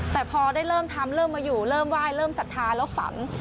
แต่พอได้เริ่มทำเริ่มมาอยู่เริ่มไหว้เริ่มศรัทธาแล้วฝัน